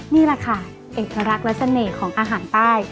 นี่แหละค่ะเอกลักษณ์และเสน่ห์ของอาหารใต้